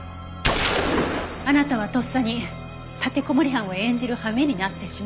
あなたはとっさに立てこもり犯を演じるはめになってしまった。